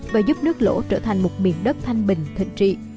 và giúp nước lỗ trở thành một miền đất thanh bình thịnh trị